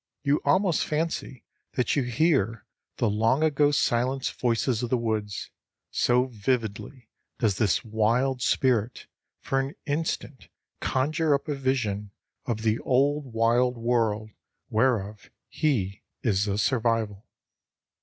You almost fancy that you hear the long ago silenced voices of the woods, so vividly does this wild spirit for an instant conjure up a vision of the old wild world whereof he is a survival.